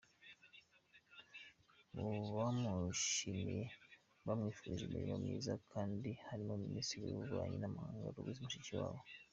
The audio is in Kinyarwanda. Mu bamushimiye bamwifuriza imirimo myiza kandi harimo Minisitiri w’Ububanyi n’amahanga, Louise Mushikiwabo.